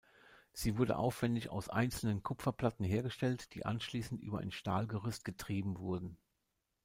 Sie wurde aufwendig aus einzelnen Kupferplatten hergestellt, die anschließend über ein Stahlgerüst getrieben wurden.